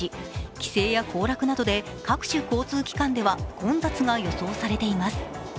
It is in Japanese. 帰省や行楽などで各種交通機関などで混雑が予想されています。